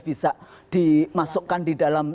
bisa dimasukkan di dalam